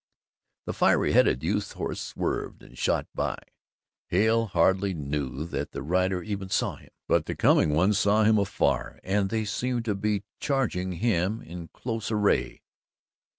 The fiery headed youth's horse swerved and shot by. Hale hardly knew that the rider even saw him, but the coming ones saw him afar and they seemed to be charging him in close array.